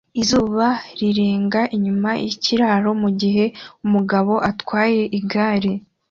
Izuba rirenga inyuma yikiraro mugihe umugabo atwaye igare